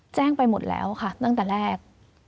แจ้งไปหมดแล้วค่ะตั้งแต่แรก